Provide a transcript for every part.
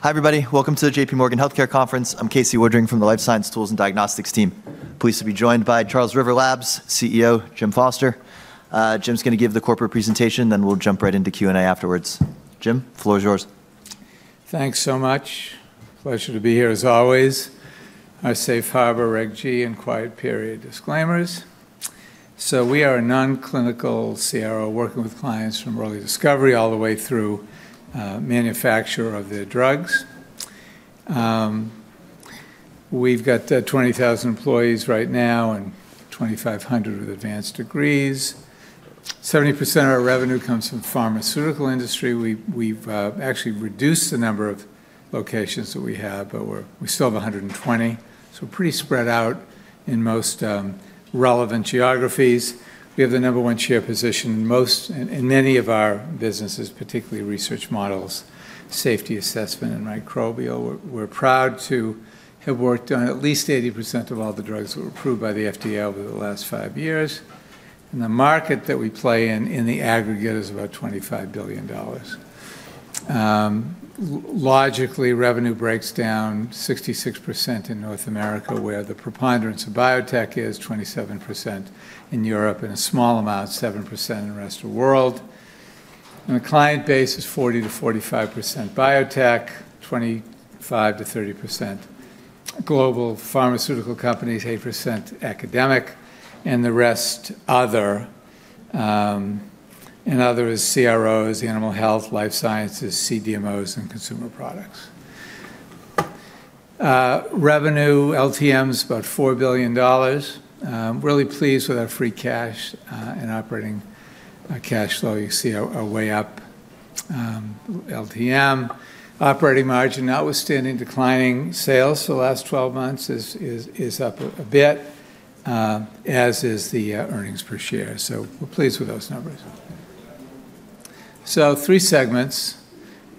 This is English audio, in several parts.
Yeah. Hi, everybody. Welcome to the J.P. Morgan Healthcare Conference. I'm Casey Woodring from the Life Science Tools and Diagnostics team. Pleased to be joined by Charles River Labs CEO, Jim Foster. Jim's going to give the corporate presentation, then we'll jump right into Q&A afterwards. Jim, the floor is yours. Thanks so much. Pleasure to be here as always. Forward-looking, Reg G, and quiet period. Disclaimers, so we are a non-clinical CRO working with clients from early discovery all the way through manufacture of the drugs. We've got 20,000 employees right now and 2,500 with advanced degrees. 70% of our revenue comes from the pharmaceutical industry. We've actually reduced the number of locations that we have, but we're still at 120. So we're pretty spread out in most relevant geographies. We have the number one share position in many of our businesses, particularly Research Models, Safety Assessment, and Microbial. We're proud to have worked on at least 80% of all the drugs that were approved by the FDA over the last five years, and the market that we play in, in the aggregate, is about $25 billion. Logically, revenue breaks down 66% in North America, where the preponderance of biotech is, 27% in Europe, and a small amount, 7% in the rest of the world. The client base is 40%-45% biotech, 25%-30% global pharmaceutical companies, 80% academic, and the rest other. Other is CROs, animal health, life sciences, CDMOs, and consumer products. Revenue, LTM is, about $4 billion. Really pleased with our free cash and operating cash flow. You see we're way up LTM. Operating margin notwithstanding declining sales the last 12 months is up a bit, as is the earnings per share. We're pleased with those numbers. Three segments.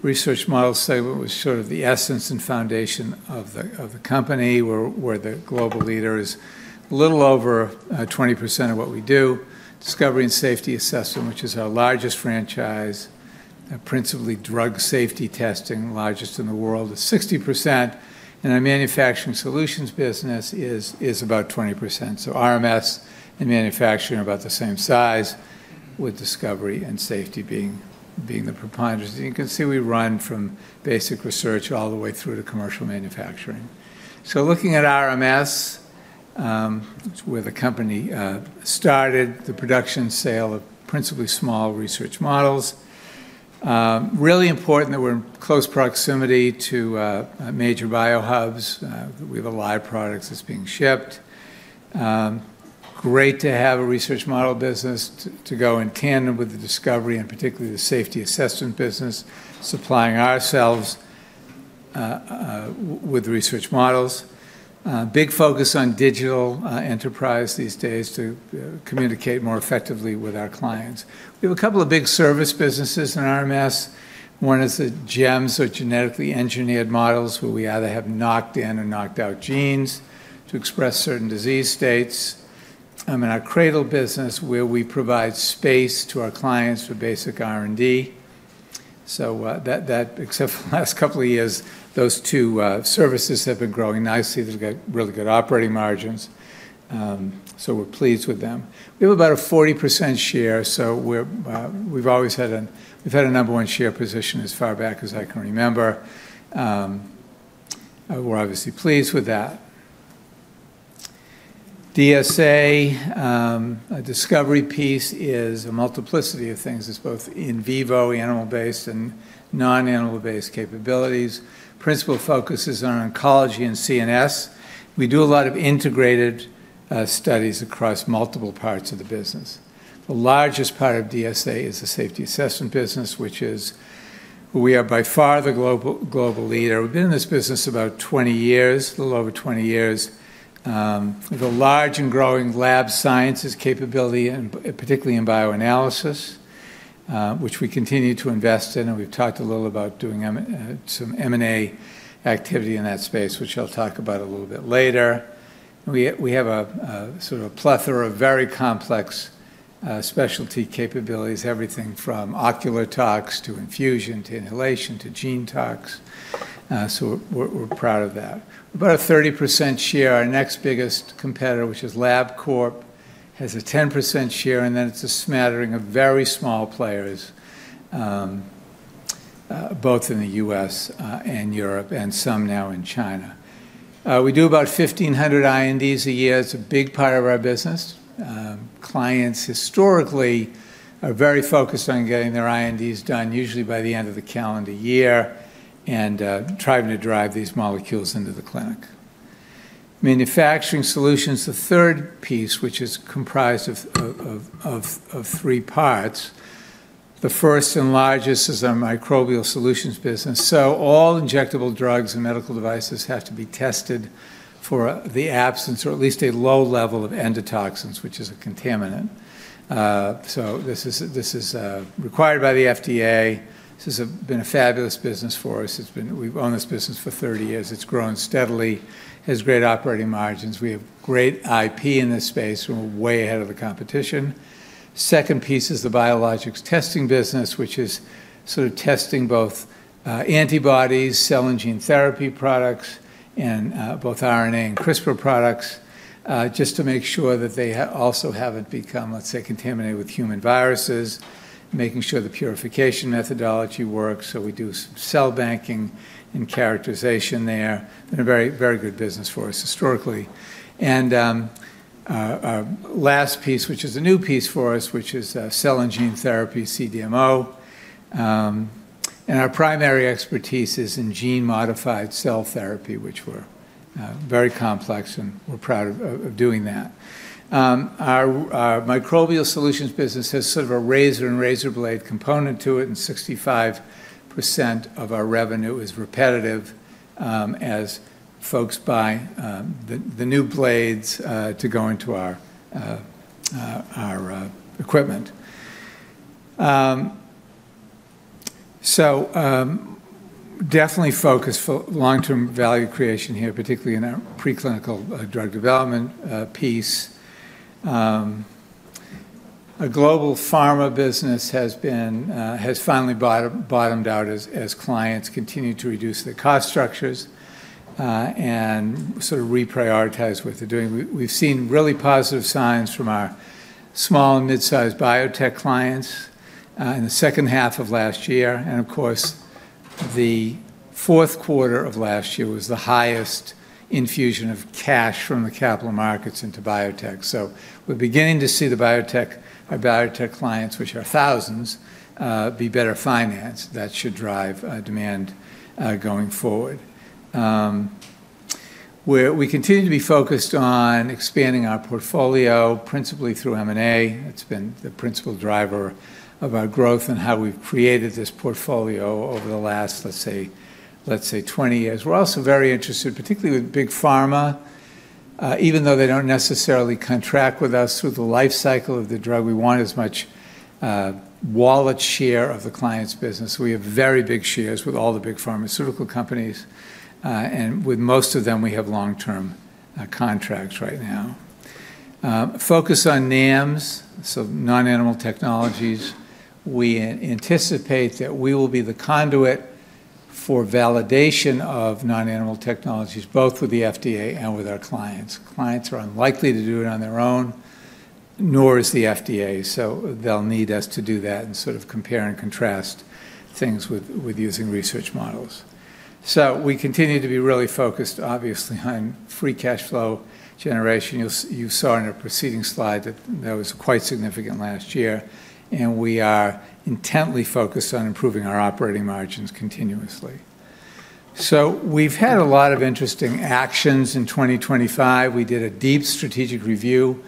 Research Models segment was sort of the essence and foundation of the company, where the global leader is a little over 20% of what we do. Discovery and Safety Assessment, which is our largest franchise. Principally drug safety testing, largest in the world, is 60%. And our Manufacturing Solutions business is about 20%. So RMS and manufacturing are about the same size, with discovery and safety being the preponderance. And you can see we run from basic research all the way through to commercial manufacturing. So looking at RMS, where the company started, the production sale of principally small Research Models. Really important that we're in close proximity to major biohubs. We have a lot of products that's being shipped. Great to have a research model business to go in tandem with the discovery and particularly the Safety Assessment business, supplying ourselves with Research Models. Big focus on digital enterprise these days to communicate more effectively with our clients. We have a couple of big service businesses in RMS. One is the GEMs, or genetically engineered models, where we either have knocked in or knocked out genes to express certain disease states. Our CRADL business provides space to our clients for basic R&D. That, except for the last couple of years, those two services have been growing nicely. They have really good operating margins. We are pleased with them. We have about a 40% share. We have always had a number one share position as far back as I can remember. We are obviously pleased with that. DSA, a discovery piece, is a multiplicity of things. It is both in vivo, animal-based, and non-animal-based capabilities. The principal focus is on oncology and CNS. We do a lot of integrated studies across multiple parts of the business. The largest part of DSA is the Safety Assessment business, which is where we are by far the global leader. We've been in this business about 20 years, a little over 20 years. We have a large and growing Lab Sciences capability, particularly in bioanalysis, which we continue to invest in, and we've talked a little about doing some M&A activity in that space, which I'll talk about a little bit later. We have a sort of a plethora of very complex specialty capabilities, everything from ocular tox to infusion to inhalation to gene tox, so we're proud of that. About a 30% share. Our next biggest competitor, which is LabCorp, has a 10% share, and then it's a smattering of very small players, both in the U.S. and Europe and some now in China. We do about 1,500 INDs a year. It's a big part of our business. Clients historically are very focused on getting their INDs done, usually by the end of the calendar year, and trying to drive these molecules into the clinic. Manufacturing Solutions, the third piece, which is comprised of three parts. The first and largest is our Microbial Solutions business, so all injectable drugs and medical devices have to be tested for the absence, or at least a low level, of endotoxins, which is a contaminant, so this is required by the FDA. This has been a fabulous business for us. We've owned this business for 30 years. It's grown steadily. It has great operating margins. We have great IP in this space. We're way ahead of the competition. The second piece is the Biologics Testing business, which is sort of testing both antibodies, cell and gene therapy products, and both RNA and CRISPR products, just to make sure that they also haven't become, let's say, contaminated with human viruses, making sure the purification methodology works. So we do some cell banking and characterization there. It has been a very, very good business for us historically, and our last piece, which is a new piece for us, which is Cell and Gene Therapy, CDMO. Our primary expertise is in gene-modified cell therapy, which we're very complex, and we're proud of doing that. Our Microbial Solutions business has sort of a razor and razor blade component to it, and 65% of our revenue is repetitive, as folks buy the new blades to go into our equipment. We are definitely focused for long-term value creation here, particularly in our preclinical drug development piece. Our global pharma business has finally bottomed out as clients continue to reduce their cost structures and sort of reprioritize what they're doing. We've seen really positive signs from our small and mid-sized biotech clients in the second half of last year. And of course, the fourth quarter of last year was the highest infusion of cash from the capital markets into biotech. So we're beginning to see our biotech clients, which are thousands, be better financed. That should drive demand going forward. We continue to be focused on expanding our portfolio, principally through M&A. That's been the principal driver of our growth and how we've created this portfolio over the last, let's say, 20 years. We're also very interested, particularly with big pharma. Even though they don't necessarily contract with us through the life cycle of the drug, we want as much wallet share of the client's business. We have very big shares with all the big pharmaceutical companies, and with most of them, we have long-term contracts right now. Focus on NAMs, so non-animal technologies. We anticipate that we will be the conduit for validation of non-animal technologies, both with the FDA and with our clients. Clients are unlikely to do it on their own, nor is the FDA, so they'll need us to do that and sort of compare and contrast things with using Research Models. So we continue to be really focused, obviously, on free cash flow generation. You saw in a preceding slide that that was quite significant last year, and we are intently focused on improving our operating margins continuously. So we've had a lot of interesting actions in 2025. We did a deep strategic review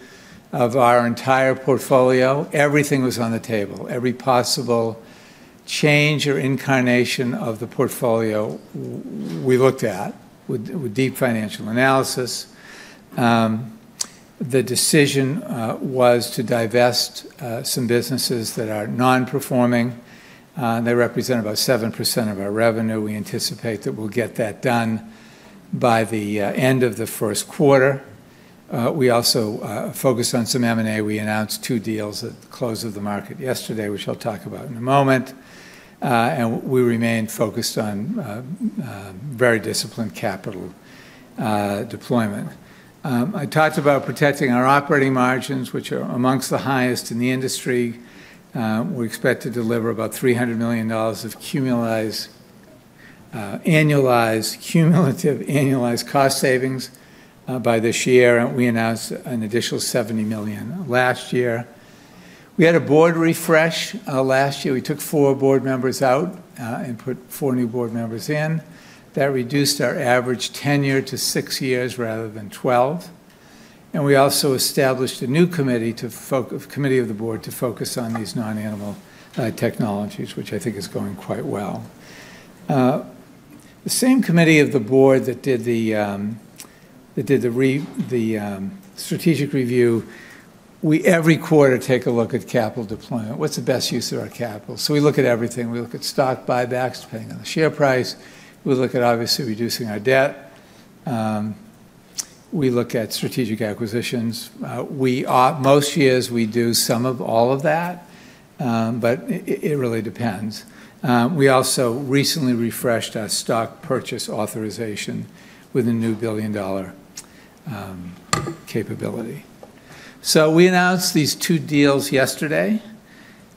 of our entire portfolio. Everything was on the table. Every possible change or incarnation of the portfolio, we looked at with deep financial analysis. The decision was to divest some businesses that are non-performing. They represent about 7% of our revenue. We anticipate that we'll get that done by the end of the first quarter. We also focused on some M&A. We announced two deals at the close of the market yesterday, which I'll talk about in a moment, and we remain focused on very disciplined capital deployment. I talked about protecting our operating margins, which are amongst the highest in the industry. We expect to deliver about $300 million of annualized cumulative cost savings by this year. We announced an additional $70 million last year. We had a board refresh last year. We took four board members out and put four new board members in. That reduced our average tenure to six years rather than 12. We also established a new committee of the board to focus on these non-animal technologies, which I think is going quite well. The same committee of the board that did the strategic review, we every quarter take a look at capital deployment. What's the best use of our capital? We look at everything. We look at stock buybacks depending on the share price. We look at, obviously, reducing our debt. We look at strategic acquisitions. Most years, we do some of all of that, but it really depends. We also recently refreshed our stock purchase authorization with a new $1 billion capability. We announced these two deals yesterday.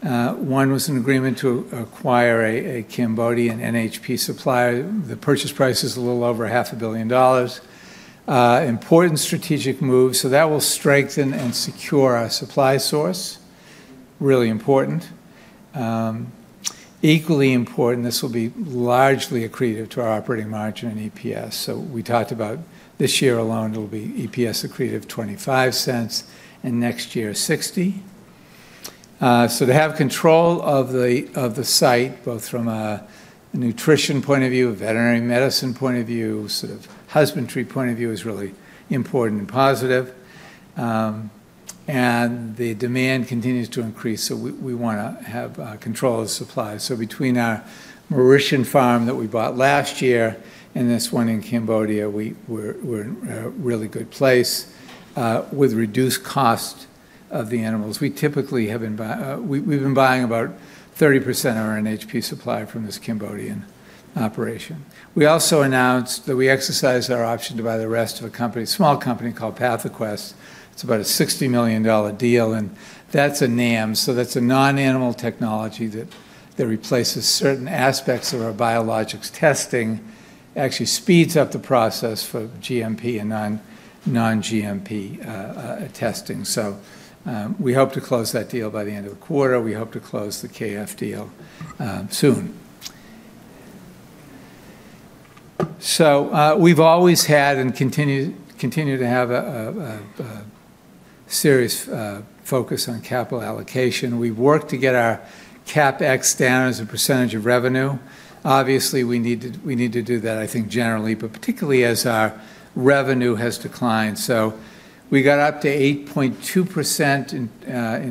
One was an agreement to acquire a Cambodian NHP supplier. The purchase price is a little over $500 million. Important strategic move. That will strengthen and secure our supply source. Really important. Equally important, this will be largely accretive to our operating margin and EPS. We talked about this year alone; it'll be EPS accretive $0.25 and next year $0.60. To have control of the site, both from a nutrition point of view, a veterinary medicine point of view, sort of husbandry point of view, is really important and positive. The demand continues to increase. We want to have control of supply. Between our Mauritian farm that we bought last year and this one in Cambodia, we're in a really good place with reduced cost of the animals. We typically have been buying about 30% of our NHP supply from this Cambodian operation. We also announced that we exercise our option to buy the rest of a company, a small company called PathoQuest. It's about a $60 million deal. That's a NAMs. So that's a non-animal technology that replaces certain aspects of our Biologics Testing, actually speeds up the process for GMP and non-GMP testing. So we hope to close that deal by the end of the quarter. We hope to close the KF deal soon. So we've always had and continue to have a serious focus on capital allocation. We've worked to get our CapEx down as a percentage of revenue. Obviously, we need to do that, I think, generally, but particularly as our revenue has declined. So we got up to 8.2% in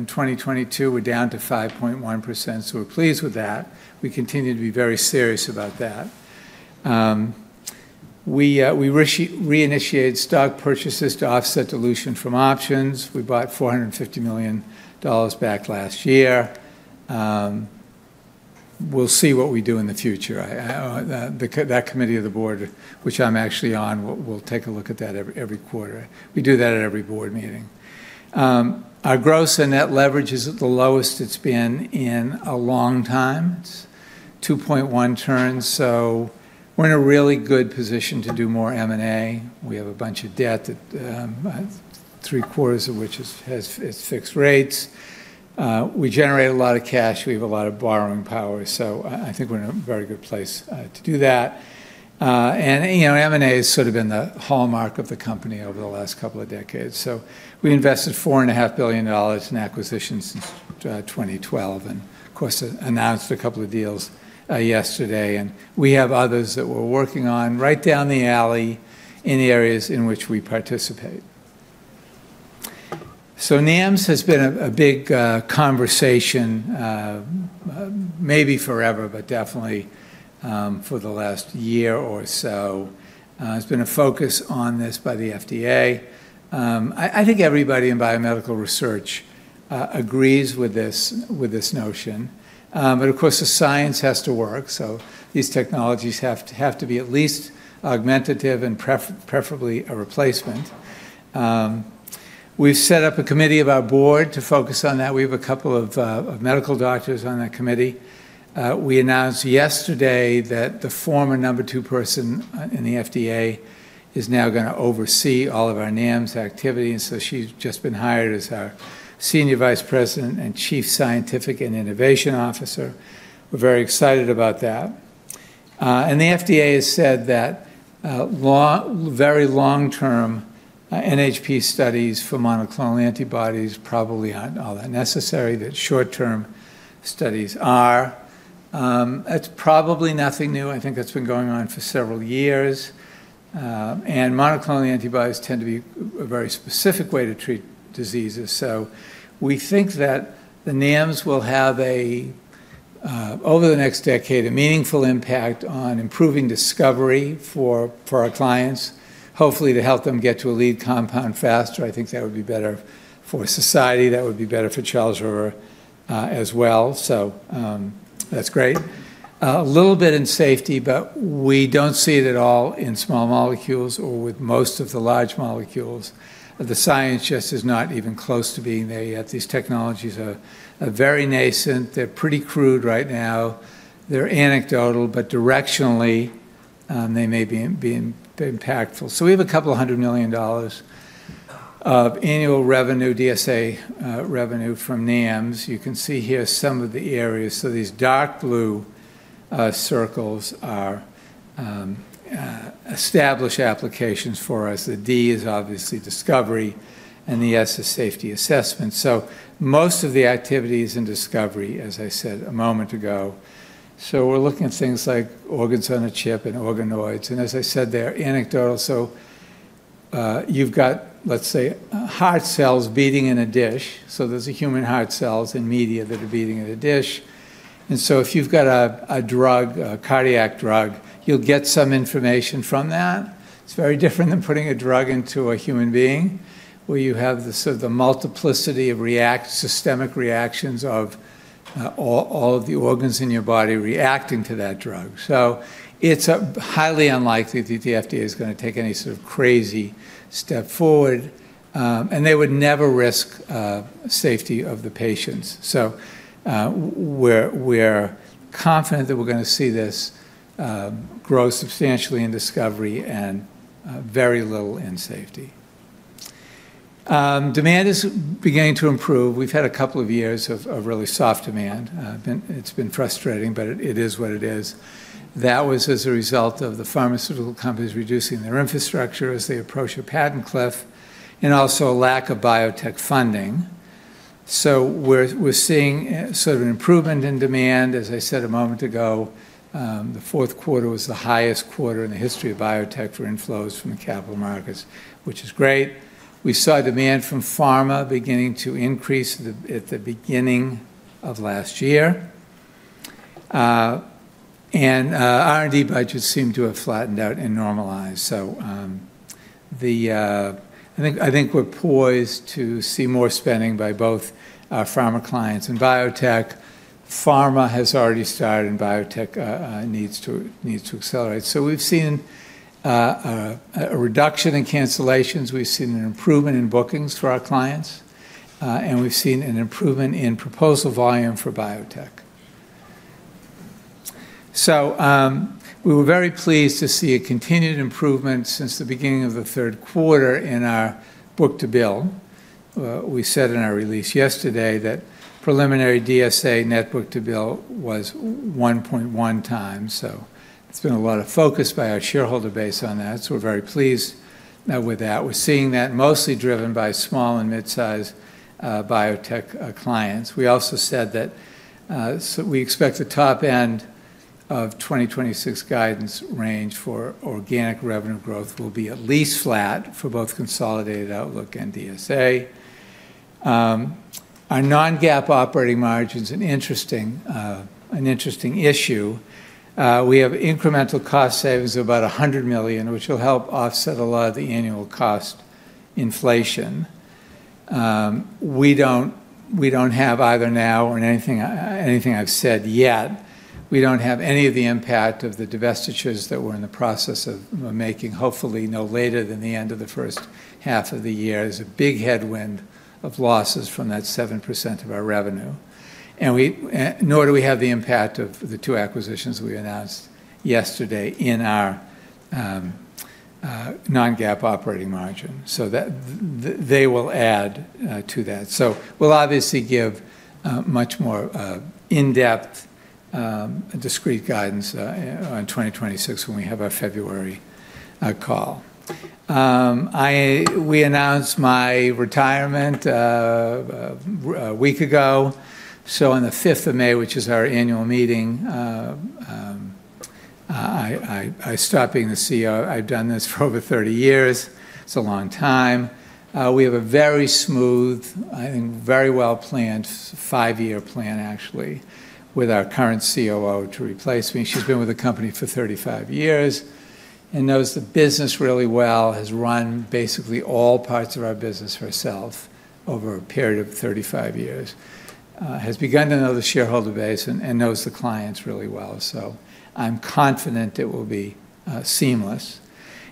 2022. We're down to 5.1%. So we're pleased with that. We continue to be very serious about that. We reinitiated stock purchases to offset dilution from options. We bought $450 million back last year. We'll see what we do in the future. That committee of the board, which I'm actually on, we'll take a look at that every quarter. We do that at every board meeting. Our gross and net leverage is at the lowest it's been in a long time. It's 2.1 turns, so we're in a really good position to do more M&A. We have a bunch of debt, three-quarters of which is fixed rates. We generate a lot of cash. We have a lot of borrowing power. So I think we're in a very good place to do that, and M&A has sort of been the hallmark of the company over the last couple of decades, so we invested $4.5 billion in acquisitions since 2012 and, of course, announced a couple of deals yesterday, and we have others that we're working on right down the alley in areas in which we participate. So NAMs has been a big conversation, maybe forever, but definitely for the last year or so. There's been a focus on this by the FDA. I think everybody in biomedical research agrees with this notion. But of course, the science has to work. So these technologies have to be at least augmentative and preferably a replacement. We've set up a committee of our board to focus on that. We have a couple of medical doctors on that committee. We announced yesterday that the former number two person in the FDA is now going to oversee all of our NAMs activity. And so she's just been hired as our Senior Vice President and Chief Scientific and Innovation Officer. We're very excited about that. And the FDA has said that very long-term NHP studies for monoclonal antibodies probably aren't all that necessary, that short-term studies are. That's probably nothing new. I think that's been going on for several years, and monoclonal antibodies tend to be a very specific way to treat diseases. We think that the NAMs will have, over the next decade, a meaningful impact on improving discovery for our clients, hopefully to help them get to a lead compound faster. I think that would be better for society. That would be better for Charles River as well. That's great. A little bit in safety, but we don't see it at all in small molecules or with most of the large molecules. The science just is not even close to being there yet. These technologies are very nascent. They're pretty crude right now. They're anecdotal, but directionally, they may be impactful. We have $200 million of annual revenue, DSA revenue from NAMs. You can see here some of the areas. So these dark blue circles establish applications for us. The D is obviously discovery, and the S is Safety Assessment. So most of the activity is in discovery, as I said a moment ago. So we're looking at things like organs-on-a-chip and organoids. And as I said, they're anecdotal. So you've got, let's say, heart cells beating in a dish. So there's human heart cells and media that are beating in a dish. And so if you've got a drug, a cardiac drug, you'll get some information from that. It's very different than putting a drug into a human being, where you have the multiplicity of systemic reactions of all of the organs in your body reacting to that drug. So it's highly unlikely that the FDA is going to take any sort of crazy step forward. And they would never risk safety of the patients. So we're confident that we're going to see this grow substantially in discovery and very little in safety. Demand is beginning to improve. We've had a couple of years of really soft demand. It's been frustrating, but it is what it is. That was as a result of the pharmaceutical companies reducing their infrastructure as they approach a patent cliff and also a lack of biotech funding. So we're seeing sort of an improvement in demand. As I said a moment ago, the fourth quarter was the highest quarter in the history of biotech for inflows from the capital markets, which is great. We saw demand from pharma beginning to increase at the beginning of last year. And R&D budgets seem to have flattened out and normalized. So I think we're poised to see more spending by both our pharma clients and biotech. Pharma has already started, and biotech needs to accelerate. So we've seen a reduction in cancellations. We've seen an improvement in bookings for our clients. And we've seen an improvement in proposal volume for biotech. So we were very pleased to see a continued improvement since the beginning of the third quarter in our book-to-bill. We said in our release yesterday that preliminary DSA net book-to-bill was 1.1 times. So it's been a lot of focus by our shareholder base on that. So we're very pleased with that. We're seeing that mostly driven by small and mid-size biotech clients. We also said that we expect the top end of 2026 guidance range for organic revenue growth will be at least flat for both consolidated outlook and DSA. Our non-GAAP operating margin is an interesting issue. We have incremental cost savings of about $100 million, which will help offset a lot of the annual cost inflation. We don't have either now or in anything I've said yet. We don't have any of the impact of the divestitures that we're in the process of making, hopefully no later than the end of the first half of the year. There's a big headwind of losses from that 7% of our revenue. Nor do we have the impact of the two acquisitions we announced yesterday in our non-GAAP operating margin. So they will add to that. So we'll obviously give much more in-depth discrete guidance in 2026 when we have our February call. We announced my retirement a week ago. So on the 5th of May, which is our annual meeting, I stopped being the CEO. I've done this for over 30 years. It's a long time. We have a very smooth, I think very well-planned five-year plan, actually, with our current COO to replace me. She's been with the company for 35 years and knows the business really well, has run basically all parts of our business herself over a period of 35 years, has begun to know the shareholder base, and knows the clients really well. So I'm confident it will be seamless,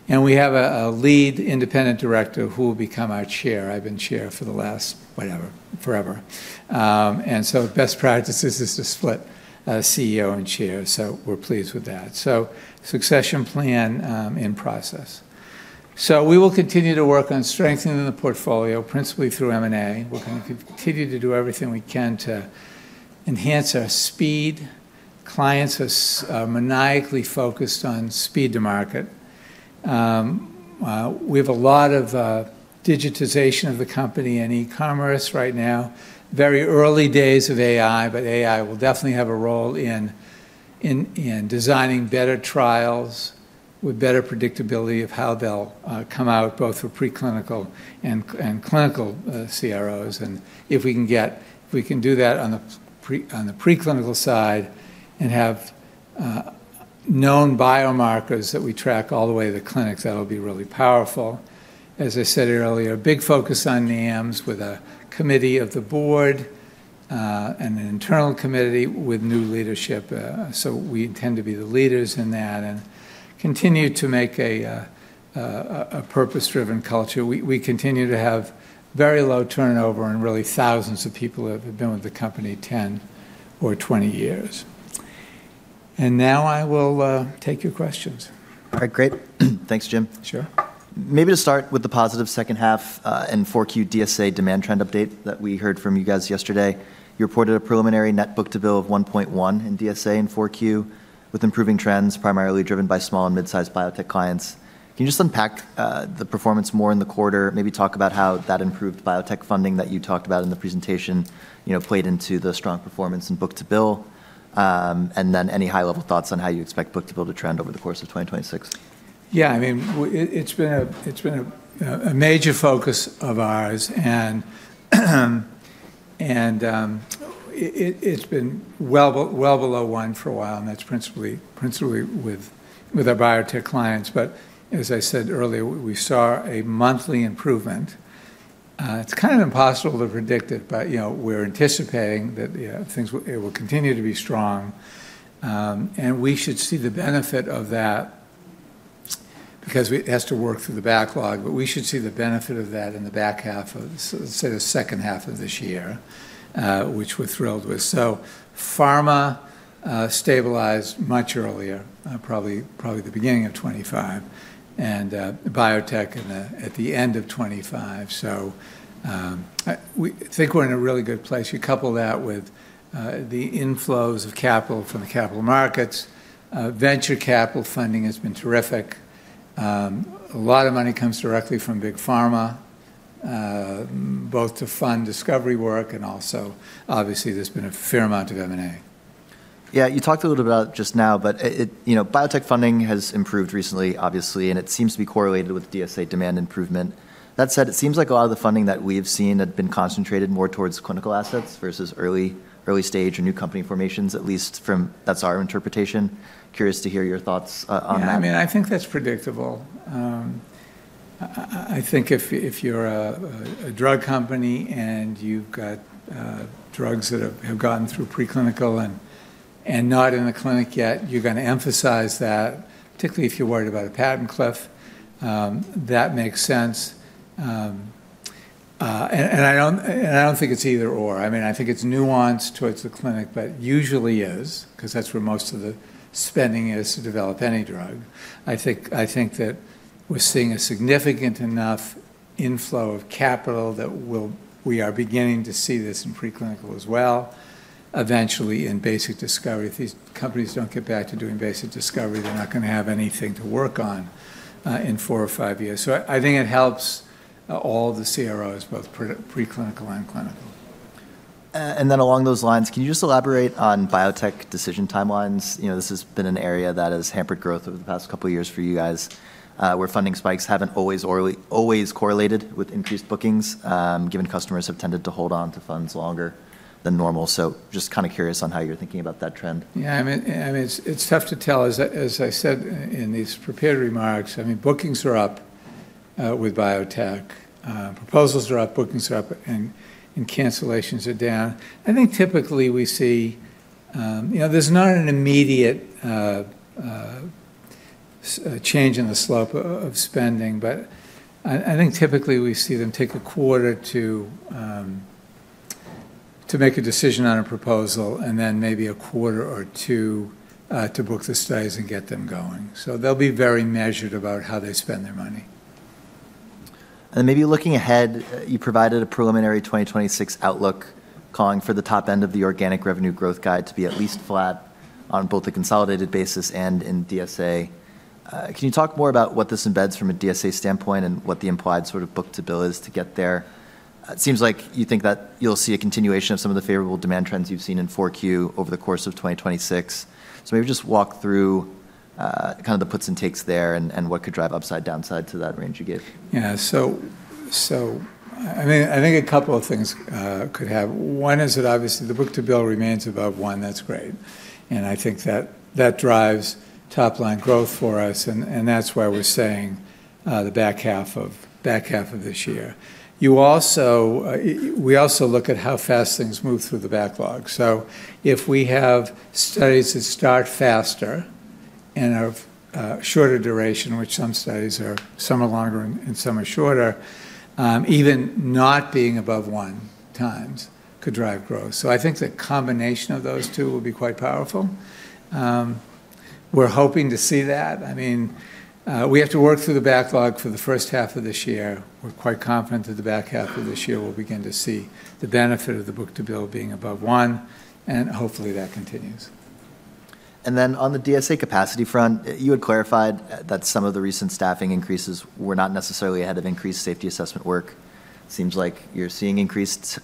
and we have a lead independent director who will become our chair. I've been chair for the last, whatever, forever, and so best practice is to split CEO and chair. So we're pleased with that, so succession plan in process, so we will continue to work on strengthening the portfolio, principally through M&A. We're going to continue to do everything we can to enhance our speed. Clients are maniacally focused on speed to market. We have a lot of digitization of the company and e-commerce right now. Very early days of AI, but AI will definitely have a role in designing better trials with better predictability of how they'll come out, both for preclinical and clinical CROs. And if we can do that on the preclinical side and have known biomarkers that we track all the way to the clinics, that'll be really powerful. As I said earlier, big focus on NAMs with a committee of the board and an internal committee with new leadership. So we intend to be the leaders in that and continue to make a purpose-driven culture. We continue to have very low turnover and really thousands of people who have been with the company 10 or 20 years. And now I will take your questions. All right. Great. Thanks, Jim. Sure. Maybe to start with the positive second half and 4Q DSA demand trend update that we heard from you guys yesterday. You reported a preliminary net book-to-bill of 1.1 in DSA and 4Q, with improving trends primarily driven by small and mid-size biotech clients. Can you just unpack the performance more in the quarter? Maybe talk about how that improved biotech funding that you talked about in the presentation played into the strong performance in book-to-bill. And then any high-level thoughts on how you expect book-to-bill to trend over the course of 2026? Yeah. I mean, it's been a major focus of ours. And it's been well below one for a while. And that's principally with our biotech clients. But as I said earlier, we saw a monthly improvement. It's kind of impossible to predict it, but we're anticipating that it will continue to be strong. And we should see the benefit of that because it has to work through the backlog. But we should see the benefit of that in the back half of, say, the second half of this year, which we're thrilled with. So pharma stabilized much earlier, probably the beginning of 2025, and biotech at the end of 2025. So I think we're in a really good place. You couple that with the inflows of capital from the capital markets. Venture capital funding has been terrific. A lot of money comes directly from big pharma, both to fund discovery work and also, obviously, there's been a fair amount of M&A. Yeah. You talked a little bit about it just now, but biotech funding has improved recently, obviously, and it seems to be correlated with DSA demand improvement. That said, it seems like a lot of the funding that we've seen had been concentrated more towards clinical assets versus early stage or new company formations, at least, that's our interpretation. Curious to hear your thoughts on that. I mean, I think that's predictable. I think if you're a drug company and you've got drugs that have gotten through preclinical and not in the clinic yet, you're going to emphasize that, particularly if you're worried about a patent cliff. That makes sense, and I don't think it's either/or. I mean, I think it's nuanced towards the clinic, but usually is, because that's where most of the spending is to develop any drug. I think that we're seeing a significant enough inflow of capital that we are beginning to see this in preclinical as well. Eventually, in basic discovery, if these companies don't get back to doing basic discovery, they're not going to have anything to work on in four or five years. So I think it helps all the CROs, both preclinical and clinical. And then along those lines, can you just elaborate on biotech decision timelines? This has been an area that has hampered growth over the past couple of years for you guys, where funding spikes haven't always correlated with increased bookings, given customers have tended to hold on to funds longer than normal. So just kind of curious on how you're thinking about that trend. Yeah. I mean, it's tough to tell. As I said in these prepared remarks, I mean, bookings are up with biotech. Proposals are up. Bookings are up. And cancellations are down. I think typically we see there's not an immediate change in the slope of spending, but I think typically we see them take a quarter to make a decision on a proposal and then maybe a quarter or two to book the studies and get them going. So they'll be very measured about how they spend their money. And then maybe looking ahead, you provided a preliminary 2026 outlook calling for the top end of the organic revenue growth guide to be at least flat on both the consolidated basis and in DSA. Can you talk more about what this embeds from a DSA standpoint and what the implied sort of book-to-bill is to get there? It seems like you think that you'll see a continuation of some of the favorable demand trends you've seen in 4Q over the course of 2026. So maybe just walk through kind of the puts and takes there and what could drive upside, downside to that range you gave. Yeah. So I think a couple of things could have. One is that obviously the book-to-bill remains above one. That's great. And I think that drives top-line growth for us. And that's why we're saying the back half of this year. We also look at how fast things move through the backlog. So if we have studies that start faster and are shorter duration, which some studies are some are longer and some are shorter, even not being above one times could drive growth. So I think the combination of those two will be quite powerful. We're hoping to see that. I mean, we have to work through the backlog for the first half of this year. We're quite confident that the back half of this year we'll begin to see the benefit of the book-to-bill being above one. And hopefully that continues. And then on the DSA capacity front, you had clarified that some of the recent staffing increases were not necessarily ahead of increased Safety Assessment work. Seems like you're seeing increased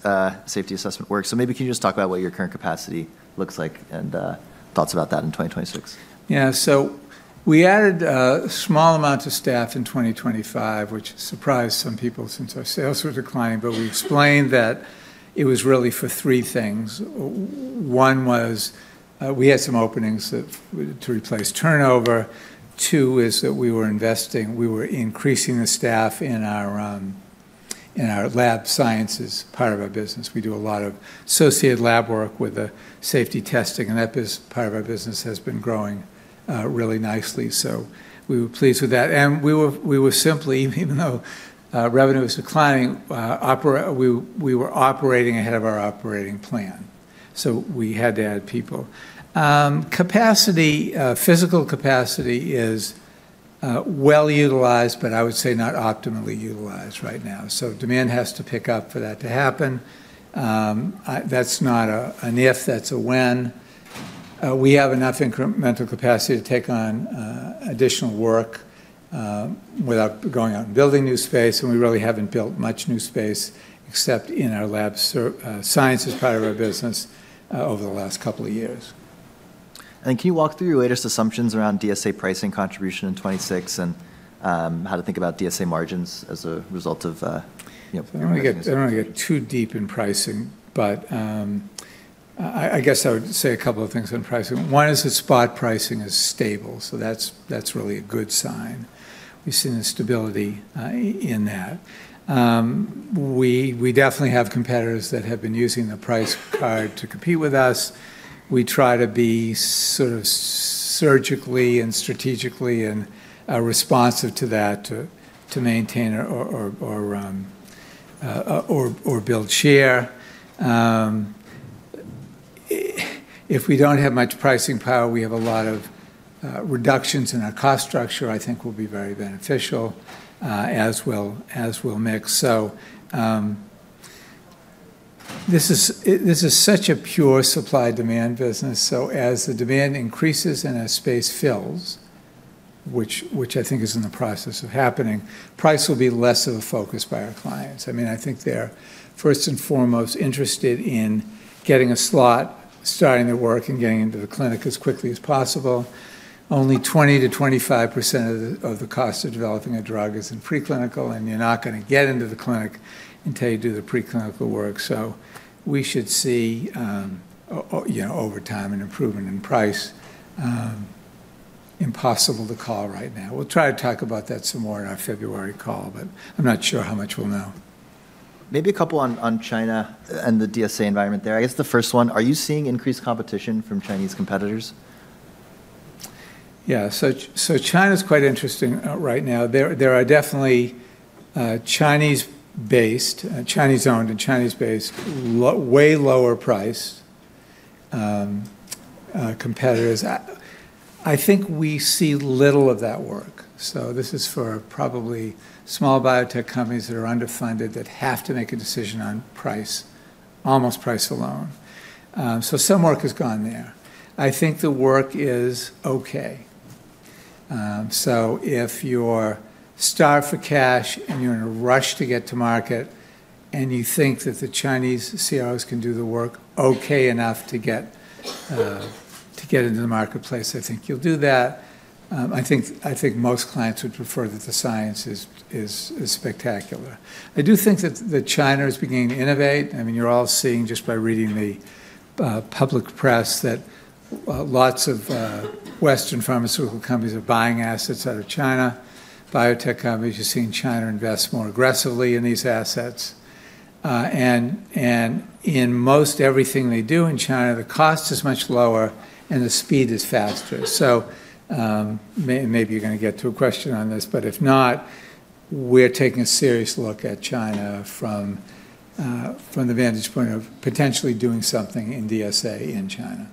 Safety Assessment work. So maybe can you just talk about what your current capacity looks like and thoughts about that in 2026? Yeah. So we added small amounts of staff in 2025, which surprised some people since our sales were declining. But we explained that it was really for three things. One was we had some openings to replace turnover. Two is that we were investing. We were increasing the staff in our Lab Sciences part of our business. We do a lot of associated lab work with the safety testing, and that part of our business has been growing really nicely, so we were pleased with that. We were simply, even though revenue was declining, operating ahead of our operating plan, so we had to add people. Capacity, physical capacity is well utilized, but I would say not optimally utilized right now, so demand has to pick up for that to happen. That's not an if. That's a when. We have enough incremental capacity to take on additional work without going out and building new space, and we really haven't built much new space except in our Lab Sciences part of our business over the last couple of years. Can you walk through your latest assumptions around DSA pricing contribution in 2026 and how to think about DSA margins as a result of? I don't want to get too deep in pricing, but I guess I would say a couple of things on pricing. One is that spot pricing is stable. So that's really a good sign. We've seen the stability in that. We definitely have competitors that have been using the price card to compete with us. We try to be sort of surgically and strategically responsive to that to maintain or build share. If we don't have much pricing power, we have a lot of reductions in our cost structure, I think will be very beneficial as we'll mix. So this is such a pure supply-demand business. As the demand increases and as space fills, which I think is in the process of happening, price will be less of a focus by our clients. I mean, I think they're first and foremost interested in getting a slot, starting their work, and getting into the clinic as quickly as possible. Only 20%-25% of the cost of developing a drug is in preclinical, and you're not going to get into the clinic until you do the preclinical work. So we should see over time an improvement in price. Impossible to call right now. We'll try to talk about that some more in our February call, but I'm not sure how much we'll know. Maybe a couple on China and the DSA environment there. I guess the first one, are you seeing increased competition from Chinese competitors? Yeah. So China is quite interesting right now. There are definitely Chinese-based, Chinese-owned, and Chinese-based, way lower-priced competitors. I think we see little of that work. So this is for probably small biotech companies that are underfunded that have to make a decision on price, almost price alone. So some work has gone there. I think the work is okay. So if you're starved for cash and you're in a rush to get to market and you think that the Chinese CROs can do the work okay enough to get into the marketplace, I think you'll do that. I think most clients would prefer that the science is spectacular. I do think that China is beginning to innovate. I mean, you're all seeing just by reading the public press that lots of Western pharmaceutical companies are buying assets out of China. Biotech companies, you're seeing China invest more aggressively in these assets. In most everything they do in China, the cost is much lower and the speed is faster. Maybe you're going to get to a question on this, but if not, we're taking a serious look at China from the vantage point of potentially doing something in DSA in China.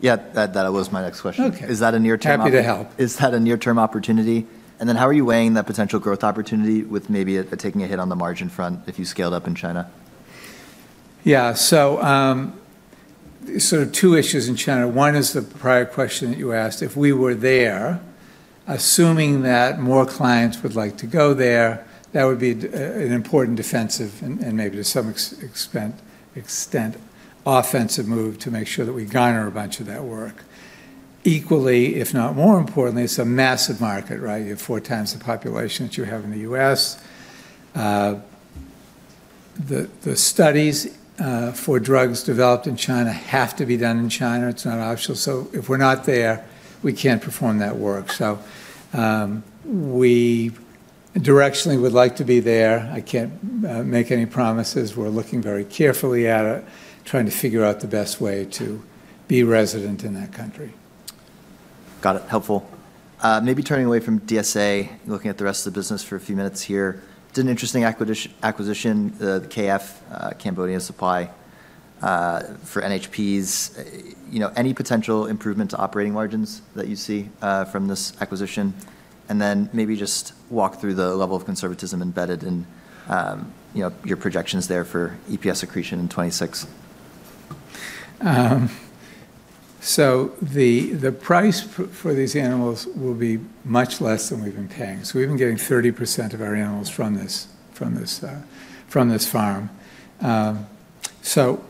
Yeah. That was my next question. Is that a near-term? Happy to help. Is that a near-term opportunity? Then how are you weighing that potential growth opportunity with maybe taking a hit on the margin front if you scaled up in China? Yeah. Sort of two issues in China. One is the prior question that you asked. If we were there, assuming that more clients would like to go there, that would be an important defensive and maybe to some extent offensive move to make sure that we garner a bunch of that work. Equally, if not more importantly, it's a massive market, right? You have four times the population that you have in the U.S. The studies for drugs developed in China have to be done in China. It's not optional. So if we're not there, we can't perform that work. So we directionally would like to be there. I can't make any promises. We're looking very carefully at it, trying to figure out the best way to be resident in that country. Got it. Helpful. Maybe turning away from DSA, looking at the rest of the business for a few minutes here. Did an interesting acquisition, the KF Cambodia supply for NHPs. Any potential improvement to operating margins that you see from this acquisition? And then maybe just walk through the level of conservatism embedded in your projections there for EPS accretion in 2026. So the price for these animals will be much less than we've been paying. So we've been getting 30% of our animals from this farm. So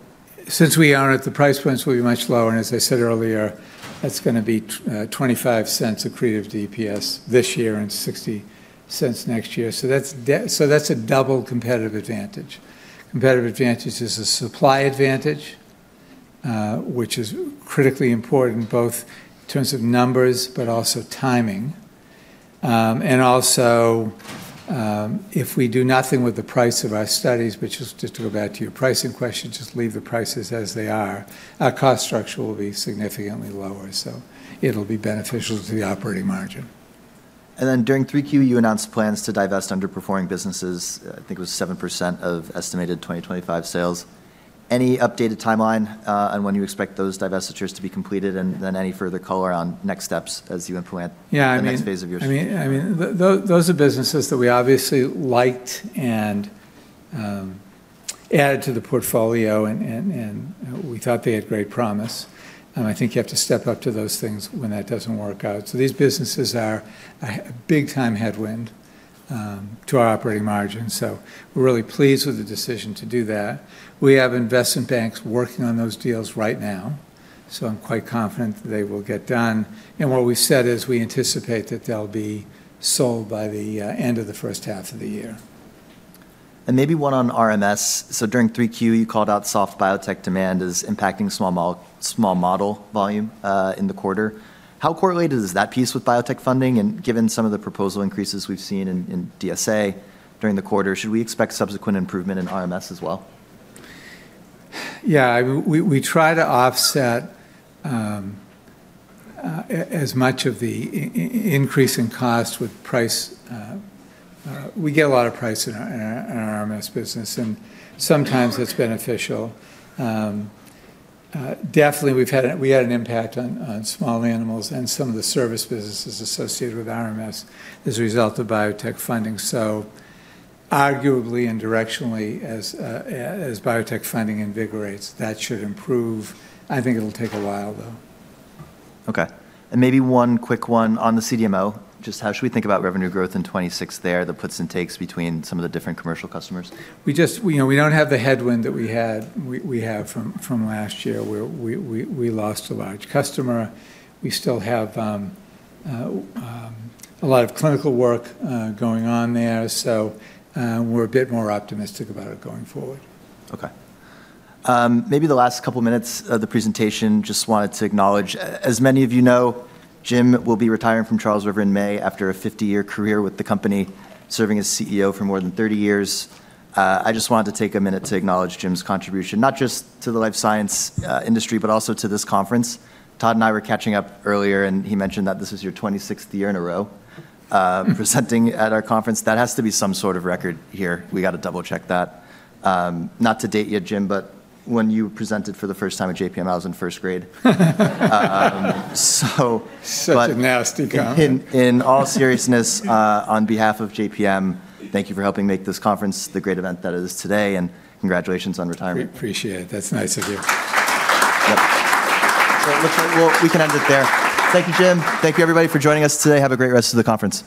since we aren't at the price points, we'll be much lower. And as I said earlier, that's going to be $0.25 accretive to EPS this year and $0.60 next year. So that's a double competitive advantage. Competitive advantage is a supply advantage, which is critically important both in terms of numbers, but also timing. And also if we do nothing with the price of our studies, which is just to go back to your pricing question, just leave the prices as they are, our cost structure will be significantly lower. So it'll be beneficial to the operating margin. And then during 3Q, you announced plans to divest underperforming businesses. I think it was 7% of estimated 2025 sales. Any updated timeline on when you expect those divestitures to be completed and then any further color on next steps as you implement the next phase of your strategy? Yeah. I mean, those are businesses that we obviously liked and added to the portfolio, and we thought they had great promise. I think you have to step up to those things when that doesn't work out. So these businesses are a big-time headwind to our operating margin. So we're really pleased with the decision to do that. We have investment banks working on those deals right now. So I'm quite confident that they will get done. And what we've said is we anticipate that they'll be sold by the end of the first half of the year. And maybe one on RMS. So during 3Q, you called out soft biotech demand is impacting small model volume in the quarter. How correlated is that piece with biotech funding? And given some of the proposal increases we've seen in DSA during the quarter, should we expect subsequent improvement in RMS as well? Yeah. We try to offset as much of the increase in cost with price. We get a lot of price in our RMS business, and sometimes that's beneficial. Definitely, we had an impact on small animals and some of the service businesses associated with RMS as a result of biotech funding. So arguably and directionally, as biotech funding invigorates, that should improve. I think it'll take a while, though. Okay. And maybe one quick one on the CDMO. Just how should we think about revenue growth in 2026 there? The puts and takes between some of the different commercial customers. We don't have the headwind that we have from last year. We lost a large customer. We still have a lot of clinical work going on there, so we're a bit more optimistic about it going forward. Okay. Maybe the last couple of minutes of the presentation, just wanted to acknowledge. As many of you know, Jim will be retiring from Charles River in May after a 50-year career with the company, serving as CEO for more than 30 years. I just wanted to take a minute to acknowledge Jim's contribution, not just to the life science industry, but also to this conference. Todd and I were catching up earlier, and he mentioned that this was your 26th year in a row presenting at our conference. That has to be some sort of record here. We got to double-check that. Not to date yet, Jim, but when you presented for the first time at JPM, I was in first grade, so such a nasty comment. In all seriousness, on behalf of JPM, thank you for helping make this conference the great event that it is today, and congratulations on retiring. We appreciate it. That's nice of you. So it looks like we can end it there. Thank you, Jim. Thank you, everybody, for joining us today. Have a great rest of the conference.